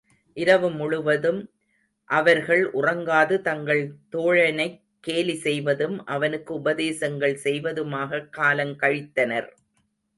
இரவுமுழுவதும் அவர்கள் உறங்காது தங்கள் தோழனைக் கேலி செய்வதும், அவனுக்கு உபதேசங்கள் செய்வதுமாகக் காலங்கழித்தனர்.